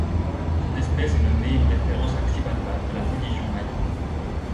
Cette espèce est nommée en référence à Xibalba de la religion maya.